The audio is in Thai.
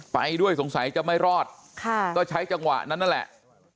ไปด้วยสงสัยจะไม่รอดค่ะก็ใช้จังหวะนั้นนั่นแหละ